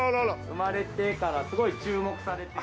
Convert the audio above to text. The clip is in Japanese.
生まれてからすごい注目されて。